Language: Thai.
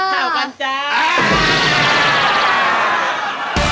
เท่ากันจ๊า